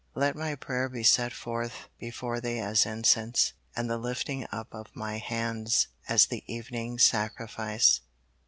"LET MY PRAYER BE SET FORTH BEFORE THEE AS INCENSE: AND THE LIFTING UP OF MY HANDS AS THE EVENING SACRIFICE."